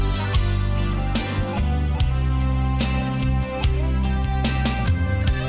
kau biar aku mama yang baik